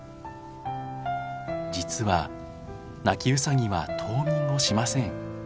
実はナキウサギは冬眠をしません。